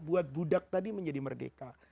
buat budak tadi menjadi merdeka